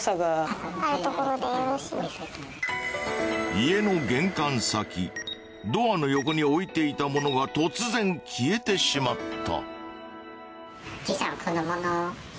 家の玄関先ドアの横に置いていた物が突然消えてしまった。